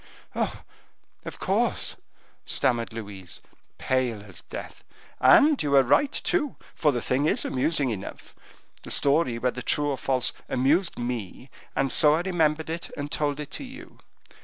oh! of course," stammered Louise, pale as death. "And you are right, too, for the thing is amusing enough. The story, whether true or false, amused me, and so I remembered it and told it to you.